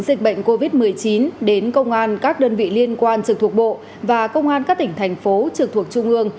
dịch bệnh covid một mươi chín đến công an các đơn vị liên quan trực thuộc bộ và công an các tỉnh thành phố trực thuộc trung ương